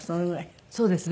そうですね。